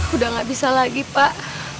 udah gak bisa lagi pak